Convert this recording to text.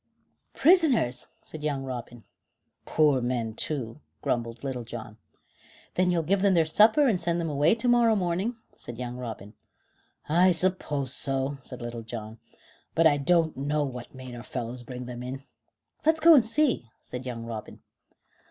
"Prisoners!" said young Robin. "Poor men, too," grumbled Little John. "Then you'll give them their supper and send them away to morrow morning," said young Robin. "I suppose so," said Little John, "but I don't know what made our fellows bring them in." "Let's go and see," said young Robin.